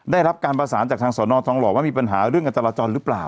ได้รับการประสานจากทางสอนอทองหล่อว่ามีปัญหาเรื่องการจราจรหรือเปล่า